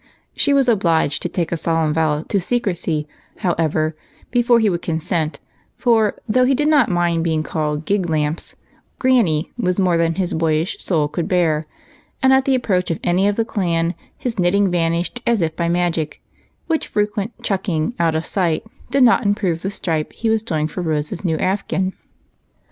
She was obliged to take a solemn vow of secrecy, however, before he would consent ; for, though he did not mind being called " Giglamps," "Granny" was more than his boyish soul could bear, and at the approach of any of the clan his knitting vanished as if by magic, which frequent " chucking " out of sight did not improve the stripe he was doing for Rose's new afghan.